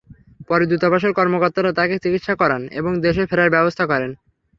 পরে দূতাবাসের কর্মকর্তারা তাঁকে চিকিৎসা করান এবং দেশে ফেরার ব্যবস্থা করেন।